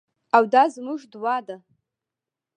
او دا زموږ دعا ده.